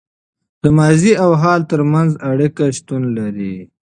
د ماضي او حال تر منځ اړیکه شتون لري.